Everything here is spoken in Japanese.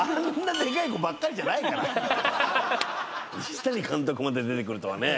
西谷監督まで出てくるとはね。